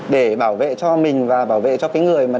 để bảo vệ cho mình và bảo vệ cho cái người mà